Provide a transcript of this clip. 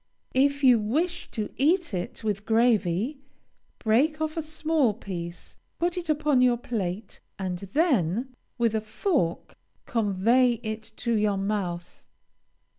If you wish to eat it with gravy, break off a small piece, put it upon your plate, and then, with a fork, convey it to your mouth.